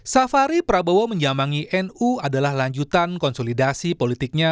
safari prabowo menjamangi nu adalah lanjutan konsolidasi politiknya